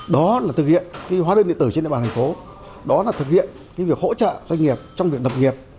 đó là thực hiện hóa đơn điện tử trên địa bàn thành phố đó là thực hiện việc hỗ trợ doanh nghiệp trong việc đập nghiệp